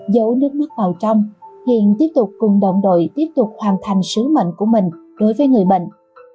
giấu nước mắt vào trong hiện tiếp tục cùng đồng đội tiếp tục hoàn thành sứ mệnh của mình đối với người bệnh